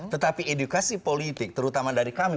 tetapi edukasi politik terutama dari kami